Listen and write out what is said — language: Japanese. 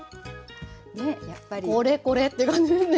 これこれって感じですね。